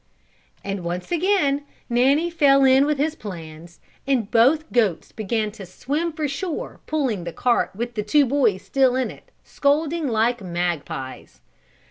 And once again Nanny fell in with his plans and both goats began to swim for shore pulling the cart with the two boys still in it, scolding like magpies.